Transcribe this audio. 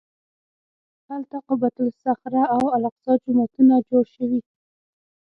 هلته قبة الصخره او الاقصی جوماتونه جوړ شوي.